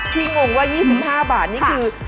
พี่งงว่า๒๕บาทคือ